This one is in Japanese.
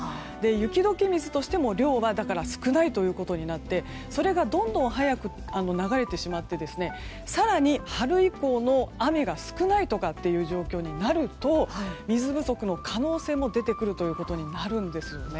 雪解け水としても量は少ないということになってそれがどんどん早く流れてしまって更に春以降の雨が少ないとかという状況になると水不足の可能性も出てくることになるんですよね。